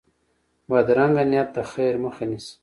بدرنګه نیت د خیر مخه نیسي